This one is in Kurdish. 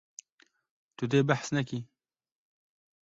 Tu dê behs nekî.